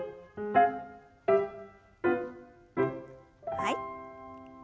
はい。